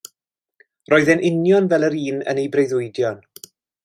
Roedd e'n union fel yr un yn ei breuddwydion.